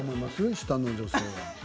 下の女性。